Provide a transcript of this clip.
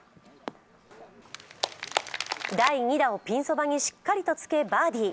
第２打をピンそばにしっかりとつけ、バーディー。